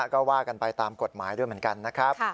ก็ว่ากันไปตามกฎหมายด้วยเหมือนกันนะครับ